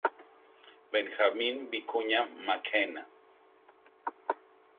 Benjamin Vicuña Mackenna